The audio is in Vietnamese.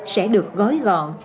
sẽ được gói gọn